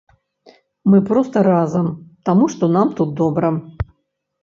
Мы проста разам, таму што нам тут добра.